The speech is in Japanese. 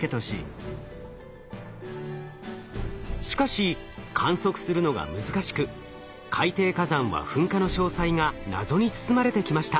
しかし観測するのが難しく海底火山は噴火の詳細が謎に包まれてきました。